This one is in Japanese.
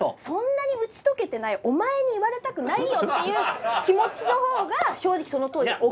そんなに打ち解けてないお前に言われたくないよっていう気持ちのほうが正直その当時。